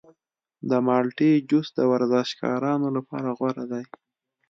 د مالټې جوس د ورزشکارانو لپاره غوره دی.